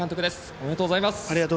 ありがとうございます。